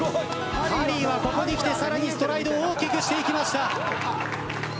ハリーはここに来て更にストライドを大きくしていきました。